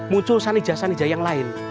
muncul sanija sanijah yang lain